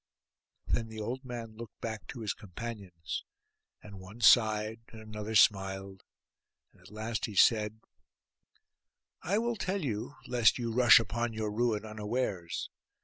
Then the old man looked back to his companions; and one sighed, and another smiled; at last he said, 'I will tell you, lest you rush upon your ruin unawares.